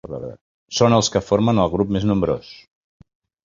Són els que formen el grup més nombrós.